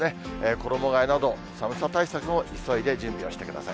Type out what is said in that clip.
衣がえなど、寒さ対策も急いで準備をしてください。